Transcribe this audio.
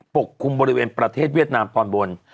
ปกคลุมบริเวณประเทศเวียดนามตอนบน